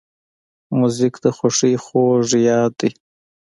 موزیک د خوښۍ خوږ یاد دی.